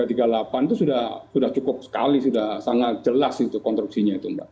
itu sudah cukup sekali sudah sangat jelas itu konstruksinya itu mbak